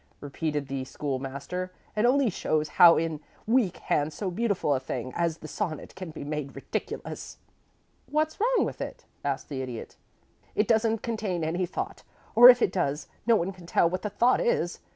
repeated the School master. "And only shows how in weak hands so beautiful a thing as the sonnet can be made ridiculous." "What's wrong with it?" asked the Idiot. "It doesn't contain any thought or if it does, no one can tell what the thought is.